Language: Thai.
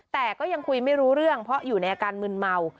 แต่ก็ยังคุยไม่รู้เรื่องเพราะอยู่ในอาการมึนเมา